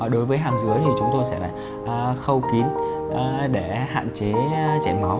đối với hàm dưới thì chúng tôi sẽ khâu kín để hạn chế chảy máu